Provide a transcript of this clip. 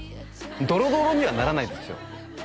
ドロドロにはならないですよ